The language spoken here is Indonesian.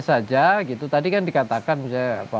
saja gitu tadi kan dikatakan aja pak